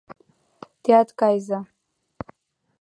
— Теат кайыза.